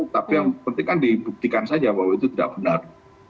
tapi yang penting kan dibuktikan saja bahwa itu tidak benar